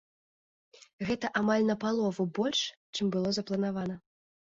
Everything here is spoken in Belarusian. Гэта амаль на палову больш, чым было запланавана.